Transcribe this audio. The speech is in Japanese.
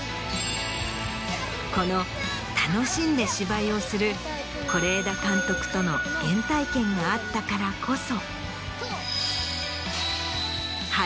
この楽しんで芝居をする是枝監督との原体験があったからこそ。